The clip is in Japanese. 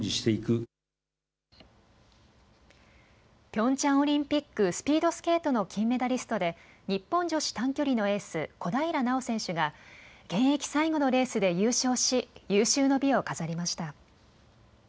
ピョンチャンオリンピック、スピードスケートの金メダリストで日本女子短距離のエース、小平奈緒選手が現役最後のレースで優勝し、有終の美を飾りました。